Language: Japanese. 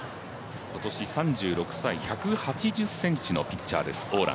今年３６歳、１８０ｃｍのピッチャーです、王蘭。